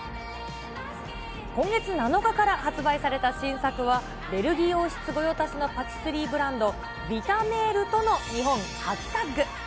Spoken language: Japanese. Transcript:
今月７日から発売された新作は、ベルギー王室御用達のパティスリーブランド、ヴィタメールとの日本初タッグ。